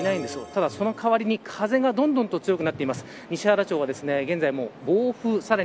ただその代わりに風がどんどん強くなっています。